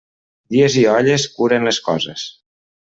Dies i olles curen les coses.